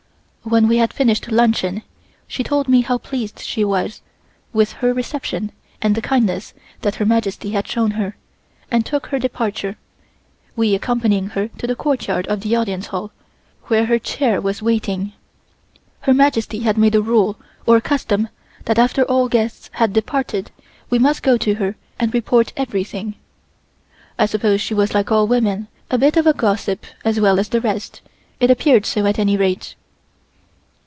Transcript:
When we had finished luncheon, she told me how pleased she was with her reception and the kindness that Her Majesty had shown her, and took her departure, we accompanying her to the courtyard of the Audience Hall, where her chair was waiting. Her Majesty had made a rule or custom that after all guests had departed, we must go to her and report everything. I suppose she was like all women, a bit of a gossip as well as the rest; it appeared so at any rate.